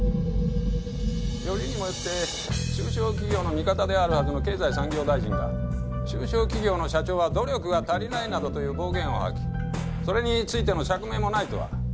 よりにもよって中小企業の味方であるはずの経済産業大臣が中小企業の社長は努力が足りないなどという暴言を吐きそれについての釈明もないとは。